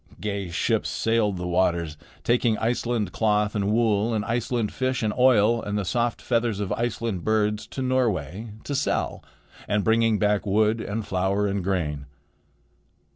Gay ships sailed the waters, taking Iceland cloth and wool and Iceland fish and oil and the soft feathers of Iceland birds to Norway to sell, and bringing back wood and flour and grain.